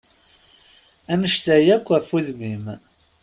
Annect-a yak, af udem-im!